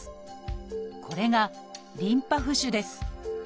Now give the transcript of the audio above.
これが「リンパ浮腫」です。